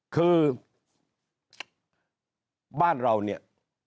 คือบ้านเราเนี่ย